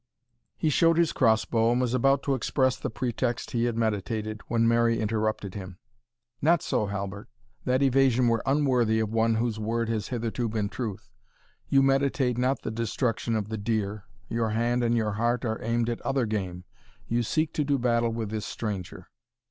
He showed his cross bow, and was about to express the pretext he had meditated, when Mary interrupted him. "Not so, Halbert that evasion were unworthy of one whose word has hitherto been truth. You meditate not the destruction of the deer your hand and your heart are aimed at other game you seek to do battle with this stranger."